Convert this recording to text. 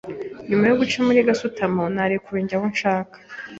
Nyuma yo guca muri gasutamo, narekuwe njya aho nshaka.